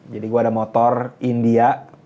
jadi gue ada motor india